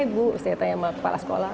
ini bu saya tanya sama kepala sekolah